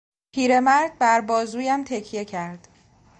پیرمرد بر بازویم تکیه کرد.